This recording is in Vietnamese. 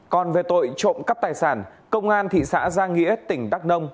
còn về tội trộm cắp tài sản công an thị xã gia nghĩa tỉnh đắk nông